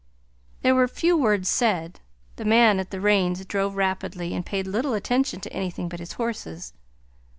There were few words said. The man at the reins drove rapidly, and paid little attention to anything but his horses.